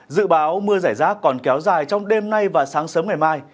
dự báo mưa rải rác còn kéo dài trong đêm nay và sáng sớm ngày mai